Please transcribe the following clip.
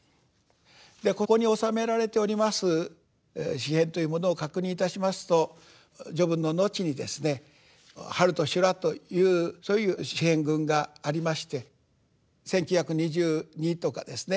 でここに収められております詩編というものを確認いたしますと序文の後にですね「春と修羅」という詩編群がありまして「一九二二」とかですね